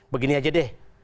begini aja deh